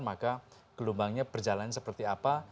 maka gelombangnya berjalan seperti apa